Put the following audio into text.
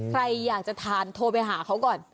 ใครอยากจะทานโทรไปหาเขาก่อน